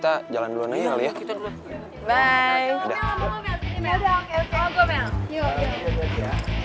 ya ngapa dong sekali kali kita revenge ya kan